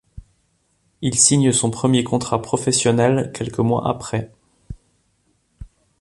Il signe son premier contrat professionnel quelques mois après.